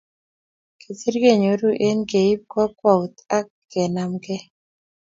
Kesir kenyoru eng keip kakwout ak kenemgei